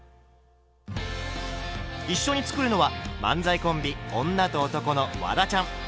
一緒に作るのは漫才コンビ「女と男」のワダちゃん。